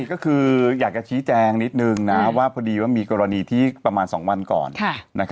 ก็คืออยากจะชี้แจงนิดนึงนะว่าพอดีว่ามีกรณีที่ประมาณ๒วันก่อน